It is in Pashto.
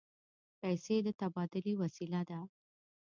پیسې د تبادلې وسیله ده.